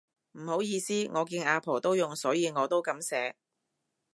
唔好意思，我見阿婆都用所以我都噉寫